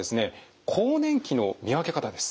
更年期の見分け方です。